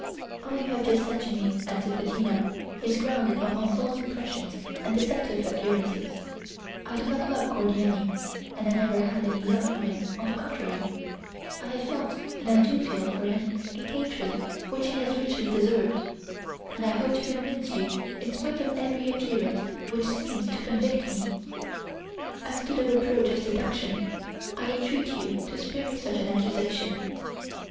"All you have just said to me," answered Bettina, "is grounded upon false impressions and deceptive appearances. I do not love Cordiani, and I never had any love for him; on the contrary, I have felt, and I do feel, for him a hatred which he has richly deserved, and I hope to convince you, in spite of every appearance which seems to convict me. As to the reproach of seduction, I entreat you to spare me such an accusation.